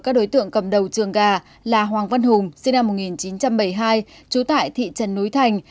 các đối tượng cầm đầu trường gà là hoàng văn hùng sinh năm một nghìn chín trăm bảy mươi hai trú tại thị trấn núi thành